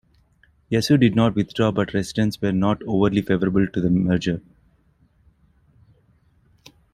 Yasu did not withdraw but residents were not overly favorable to the merger.